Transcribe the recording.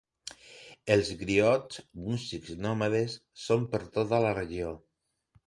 Els griots, músics nòmades, són per tota la regió.